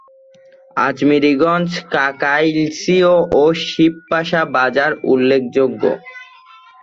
আজমিরিগঞ্জ, কাকাইলসিও ও শিবপাশা বাজার উল্লেখযোগ্য।